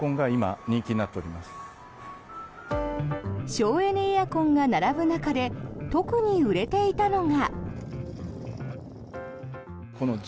省エネエアコンが並ぶ中で特に売れていたのが。